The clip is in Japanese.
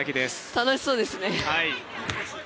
楽しそうですね。